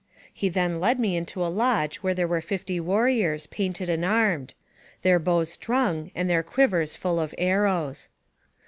He then led me into a lodge where there were fifty warriors, painted and armed their bows strung and their quivers full of arrows.